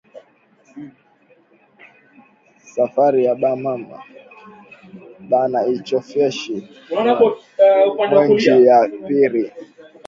Safari ya ba mama bana ichofesha mu mwenji ya piri